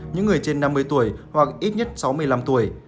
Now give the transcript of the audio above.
những người trên năm mươi tuổi hoặc ít nhất sáu mươi năm tuổi